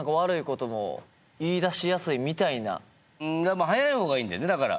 でも何か早い方がいいんだよねだから。